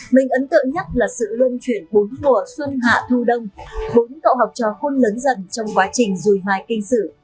mình ấn tượng nhất là sự luân chuyển bốn mùa xuân hạ thu đông bốn cậu học trò khôn lớn dần trong quá trình rùi hoài kinh sử